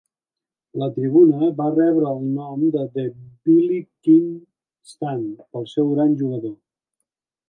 La tribuna va rebre el nom de "The Billy Kee Stand" pel seu gran jugador.